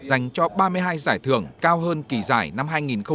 dành cho ba mươi hai giải thưởng cao hơn kỳ giải năm hai nghìn hai mươi ba